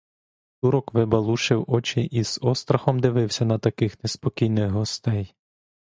Турок вибалушив очі і з острахом дивився на таких неспокійних гостей.